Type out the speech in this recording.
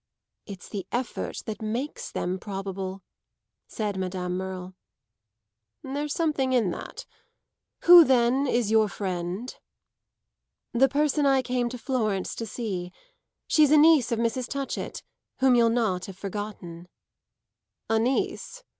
"It's the effort that makes them probable," said Madame Merle. "There's something in that. Who then is your friend?" "The person I came to Florence to see. She's a niece of Mrs. Touchett, whom you'll not have forgotten." "A niece?